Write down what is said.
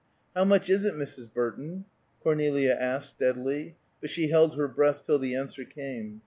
"How much is it, Mrs. Burton?" Cornelia asked, steadily; but she held her breath till the answer came.